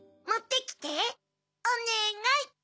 もってきておねがい。